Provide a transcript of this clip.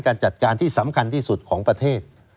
การจัดการที่สำคัญที่สุดของประเทศ